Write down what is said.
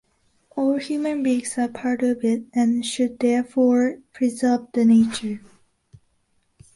All human beings are part of it and should therefore preserve the nature.